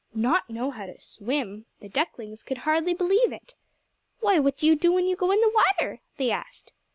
Not know how to swim! The ducklings could hardly believe it. "Why, what do you do when you go in the water?" they asked.